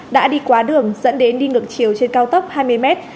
đã đi quá đường dẫn đến đi ngược chiều trên cao tốc hai mươi mét